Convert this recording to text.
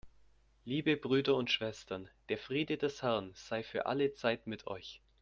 Liebe Brüder und Schwestern, der Friede des Herrn sei für alle Zeit mit euch.